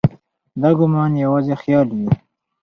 دا ګومان یوازې خیال وي.